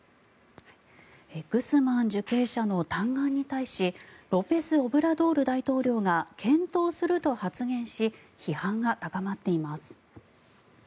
グスマン受刑者の嘆願に対しロペス・オブラドール大統領が検討すると発言し批判が高まっています。